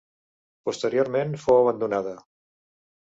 Posteriorment fou abandonada.